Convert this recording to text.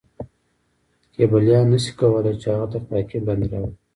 کیبلیان نه شي کولای چې هغه تر تعقیب لاندې راولي.